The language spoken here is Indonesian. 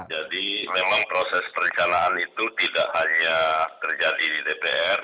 jadi memang proses perencanaan itu tidak hanya terjadi di dpr